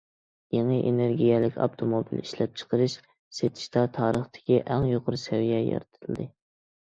يېڭى ئېنېرگىيەلىك ئاپتوموبىل ئىشلەپچىقىرىش، سېتىشتا تارىختىكى ئەڭ يۇقىرى سەۋىيە يارىتىلدى.